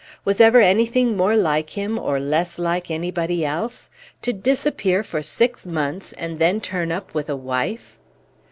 Was ever anything more like him, or less like anybody else? To disappear for six months, and then turn up with a wife!"